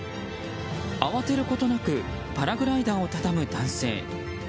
慌てることなくパラグライダーを畳む男性。